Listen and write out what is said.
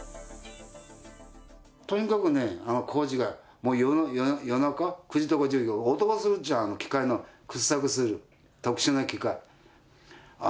とにかくね、工事がもう夜中、９時とか１０時、音がするじゃ、機械の掘削する特殊な機械。